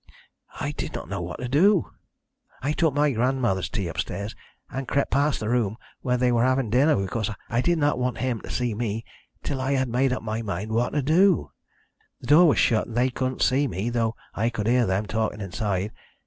"I did not know what to do. I took grandmother's tea upstairs, and crept past the room where they were having dinner, because I did not want him to see me till I had made up my mind what to do. The door was shut, and they couldn't see me, though I could hear them talking inside.